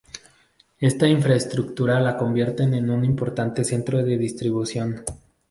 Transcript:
Esta infraestructura la convierten en un importante centro de distribución.